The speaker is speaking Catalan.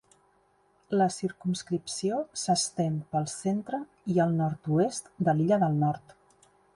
La circumscripció s'estén pel centre i el nord-oest de l'illa del Nord.